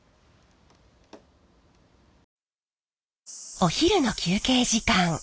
お昼の休憩時間。